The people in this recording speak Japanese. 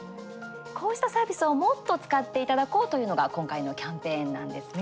こうしたサービスを、もっと使っていただこうというのが今回のキャンペーンなんですね。